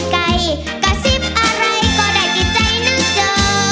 กระซิบอะไรก็ได้ดีใจนั่นเจอ